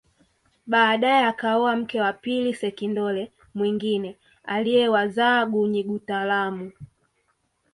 Baadae akaoa mke wa pili sekindole mwingine aliyewazaa Gunyigutalamu